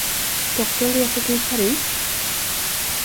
Doktorn reser till Paris?